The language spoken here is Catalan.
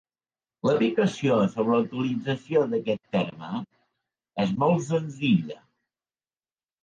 L'explicació sobre la utilització d'aquest terme és molt senzilla.